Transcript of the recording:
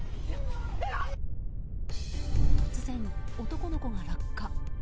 突然、男の子が落下。